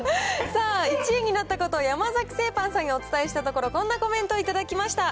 さあ、１位になったことを山崎製パンさんにお伝えしたところ、こんなコメントを頂きました。